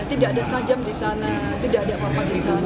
tidak ada sajam di sana tidak ada apa apa di sana